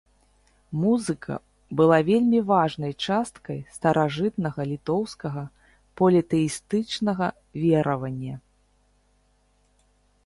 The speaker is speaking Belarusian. Музыка была вельмі важнай часткай старажытнага літоўскага політэістычнага веравання.